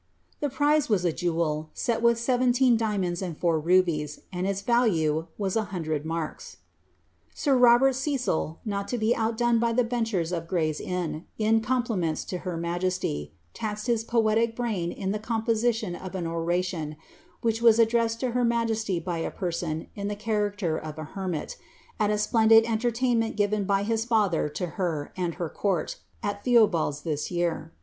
The prize was a jewel, set with seventeen diamonds and four rubies, and its value was a hundred marks.* Sir Robert Cecil, not to be outdone by the benchers of Gray's Inn in compliments to her majesty, taxed his poetic brain in the composition of an oration, which was addressed to her majesty by a person in the character of a hermit, at a splendid entertainment given by his fiither to her and her court, at Theobald's this year.